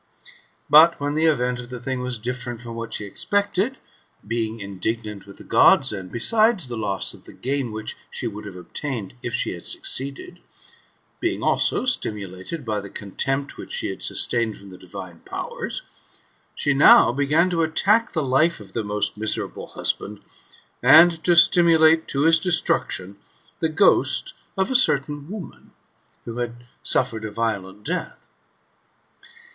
But when the event of the thing was different from what she expected, being indignant with the Gods, and, besides the loss of the gain >n?hich she would have obtained if she had succeeded, being also stimu lated by the contempt [which she had sustained from the divine powers], she now began to attack the life of the most miserable husband, and to stimulate to his destruction the ghost of a cer tain woman, who had suffered a violent death.